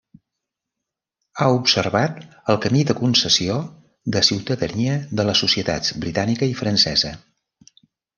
Ha observat el camí de concessió de ciutadania de les societats britànica i francesa.